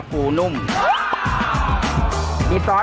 ปู่พญานาคี่อยู่ในกล่อง